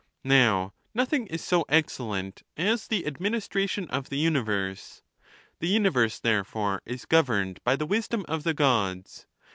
Now, nothing is so excellent as the administration of the universe. , The universe, thei c fore, is governed by the wisdom of the Gods.